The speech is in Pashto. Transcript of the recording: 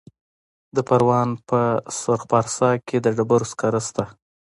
د پروان په سرخ پارسا کې د ډبرو سکاره شته.